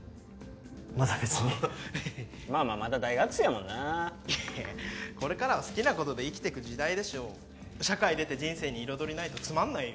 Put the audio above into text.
まだ別にまあまあまだ大学生やもんないやこれからは好きなことで生きてく時代でしょ社会出て人生に彩りないとつまんないよ